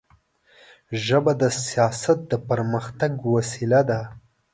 ژبه د سیاست د پرمختګ وسیله ده